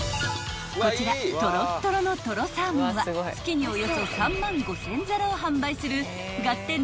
［こちらとろっとろのとろサーモンは月におよそ３万５，０００皿を販売するがってん